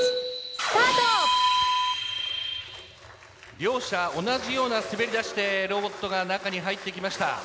両者同じような滑り出しでロボットが中に入ってきました。